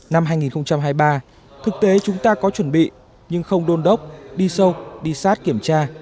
năm hai nghìn hai mươi ba thực tế chúng ta có chuẩn bị nhưng không đôn đốc đi sâu đi sát kiểm tra